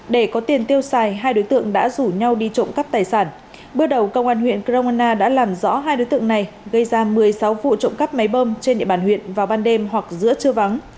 để có tiền tiêu xài hai đối tượng đã rủ nhau đi trộm cắp tài sản bước đầu công an huyện kroana đã làm rõ hai đối tượng này gây ra một mươi sáu vụ trộm cắp máy bơm trên địa bàn huyện vào ban đêm hoặc giữa trưa vắng